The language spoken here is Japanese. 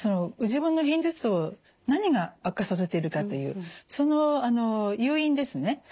ご自分の片頭痛何が悪化させているかというその誘因ですね